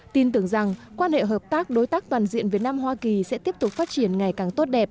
tin tưởng rằng quan hệ hợp tác đối tác toàn diện việt nam hoa kỳ sẽ tiếp tục phát triển ngày càng tốt đẹp